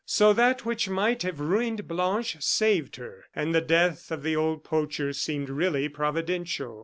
So that which might have ruined Blanche, saved her; and the death of the old poacher seemed really providential.